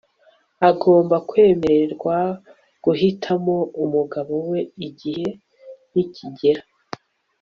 agomba kwemererwa guhitamo umugabo we igihe nikigera